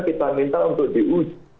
kita minta untuk di uji